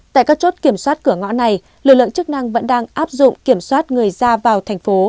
tại các chốt kiểm soát cửa ngõ này lực lượng chức năng vẫn đang áp dụng kiểm soát người ra vào thành phố